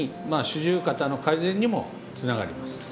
まあ四十肩の改善にもつながります。